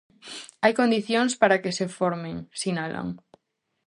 "Hai condicións para que se formen", sinalan.